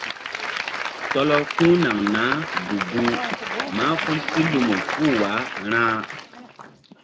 Tɔlɔ ku̧ naŋ naah gu-guh mahful si lumu puh wah ra̧.